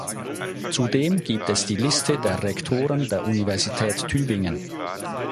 Zudem gibt es die Liste der Rektoren der Universität Tübingen.